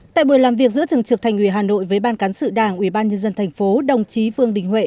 tại buổi làm việc giữa thường trực thành ủy hà nội với ban cán sự đảng ubnd tp đồng chí vương đình huệ